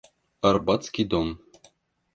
Арбатский дом.